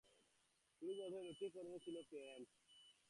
ফিরোজ বলছে লোকটির পরনে ছিল প্যান্ট।